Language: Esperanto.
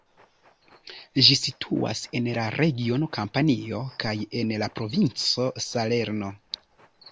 Ĝi situas en la regiono Kampanio kaj en la provinco Salerno.